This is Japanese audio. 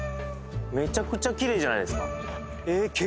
めちゃくちゃきれいじゃないですか？